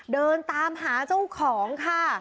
เดินตามหาเจ้าของค่ะ